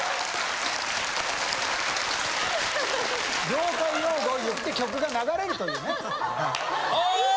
業界用語を言って曲が流れるというね。